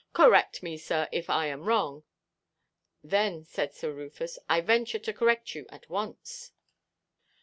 Correct me, sir, if I am wrong." "Then," said Rufus, "I venture to correct you at once."